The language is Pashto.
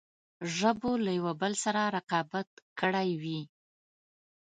ژبو له یوه بل سره رقابت کړی وي.